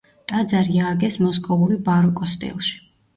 ტაძარი ააგეს მოსკოვური ბაროკოს სტილში.